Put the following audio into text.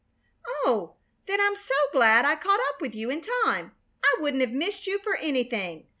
"Oh, then I'm so glad I caught up with you in time. I wouldn't have missed you for anything.